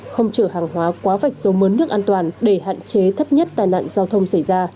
không chở hàng hóa quá vạch dấu mớ nước an toàn để hạn chế thấp nhất tài nạn giao thông xảy ra